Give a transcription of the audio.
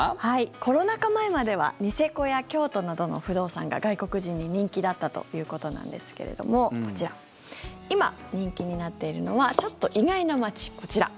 コロナ禍前まではニセコや京都などの不動産が外国人に人気だったということなんですけれども今、人気になっているのはちょっと意外な街、こちら。